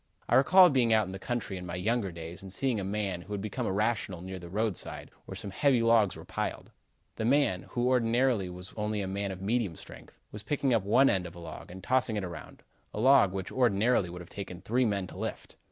I recall being out in the country in my younger days and seeing a man, who had become irrational, near the roadside, where some heavy logs were piled. This man, who ordinarily was only a man of medium strength, was picking up one end of a log and tossing it around a log, which, ordinarily, would have taken three men to lift.